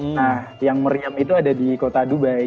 nah yang meriam itu ada di kota dubai